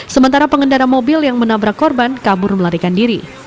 sementara pengendara mobil yang menabrak korban kabur melarikan diri